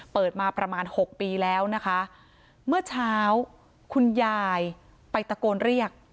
เปิดมาประมาณหกปีแล้วนะคะเมื่อเช้าคุณยายไปตะโกนเรียก